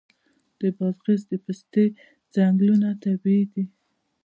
د بادغیس د پستې ځنګلونه طبیعي دي.